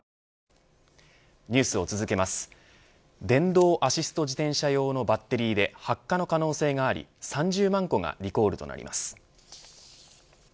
電動アシスト自転車用のバッテリーで発火の可能性があり３０万個がリコールとなります。